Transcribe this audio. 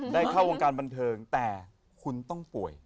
ได้เข้าวงการบันเทิงแต่คุณต้องป่วย